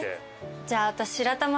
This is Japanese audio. じゃあ私。